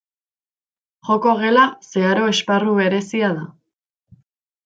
Joko gela zeharo esparru berezia da.